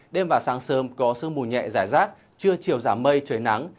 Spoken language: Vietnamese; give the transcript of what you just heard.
đêm và sáng sớm có sương mù nhẹ giải rác trưa chiều giảm mây trời nắng